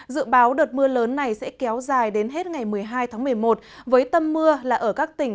dự báo đợt mưa lớn này sẽ kéo dài đến hết ngày một mươi hai tháng một mươi một với tâm mưa là ở các tỉnh